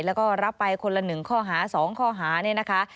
แล้วก็รับไปคนละ๑ข้อหา๒ข้อหาเนี่ยนะคะ